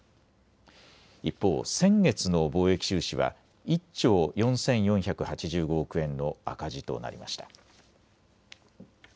一方、先月の貿易収支は１兆４４８５億円の赤字となりました。